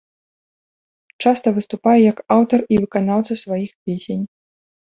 Часта выступае як аўтар і выканаўца сваіх песень.